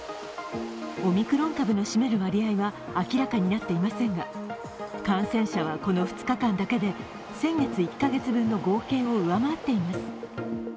オミクロン株の占める割合は明らかになっていませんが、感染者はこの２日間だけで先月１カ月分の合計を上回っています。